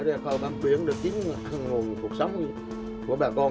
để phơi bám biển để kiếm nguồn cuộc sống của bà con